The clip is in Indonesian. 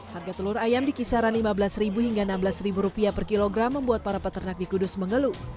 harga telur ayam di kisaran rp lima belas hingga rp enam belas per kilogram membuat para peternak di kudus mengeluh